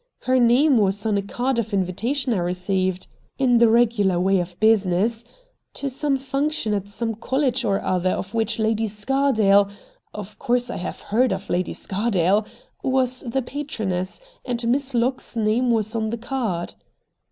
' Her name was on a card of invitation I received — in the regular 86 RED DIAMONDS way of business — to some function at some college or other of which Lady Scardale — of course I have heard of Lady Scardale — ^was the patroness, and Miss Locke's name was on the card.'